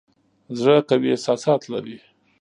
زړه قوي احساسات لري.